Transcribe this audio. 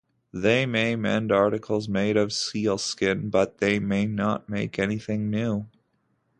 They may mend articles made of sealskin, but they may not make anything new.